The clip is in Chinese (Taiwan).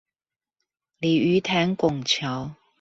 鯉魚潭拱橋